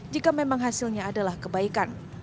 jika memang hasilnya adalah kebaikan